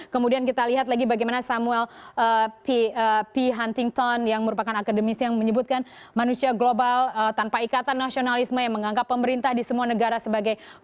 kemudian kita lihat lagi bagaimana samuel p huntington yang merupakan akademisi yang menyebutkan manusia global tanpa ikatan nasionalisme yang menganggap pemerintah di semua negara sebagai